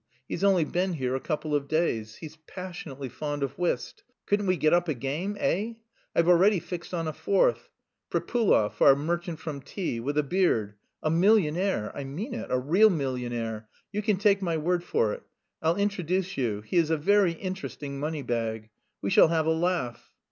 He's only been here a couple of days. He's passionately fond of whist; couldn't we get up a game, eh? I've already fixed on a fourth Pripuhlov, our merchant from T with a beard, a millionaire I mean it, a real millionaire; you can take my word for it.... I'll introduce you; he is a very interesting money bag. We shall have a laugh."